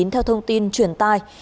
theo thông tin truyền tai